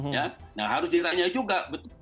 ya nah harus diranya juga